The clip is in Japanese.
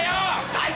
最高！